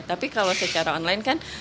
tapi kalau secara online kan